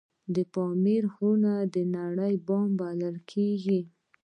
د پامیر غرونه د نړۍ بام بلل کیږي